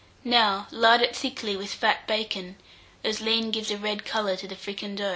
Now lard it thickly with fat bacon, as lean gives a red colour to the fricandeau.